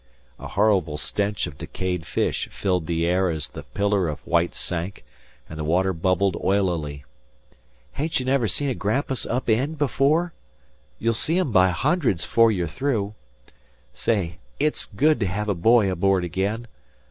A horrible stench of decayed fish filled the air as the pillar of white sank, and the water bubbled oilily. "Hain't ye never seen a grampus up eend before? You'll see 'em by hundreds 'fore ye're through. Say, it's good to hev a boy aboard again.